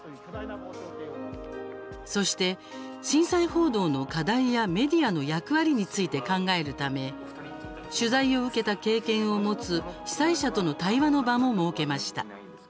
そして、震災報道の課題やメディアの役割について考えるため取材を受けた経験を持つ被災者との対話の場も設けました。